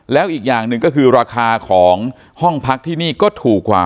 แล้วอีกอย่างหนึ่งก็คือราคาของห้องพักที่นี่ก็ถูกกว่า